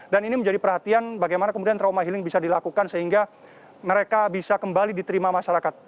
ini menjadi perhatian bagaimana kemudian trauma healing bisa dilakukan sehingga mereka bisa kembali diterima masyarakat